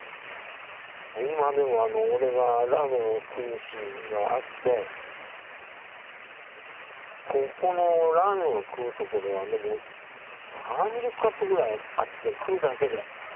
今でもあの俺がラーメンを食うシーンがあってここのラーメンを食うところは３０カットぐらいあって食うだけで。